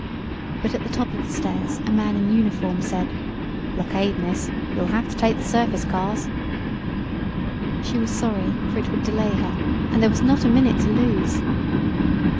But at the top of the stairs a man in uniform said: "Blockade, Miss. You'll have to take the surface cars." She was sorry, for it would delay her, and there was not a minute to lose.